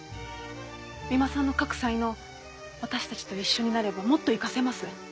三馬さんの書く才能私たちと一緒になればもっと生かせます。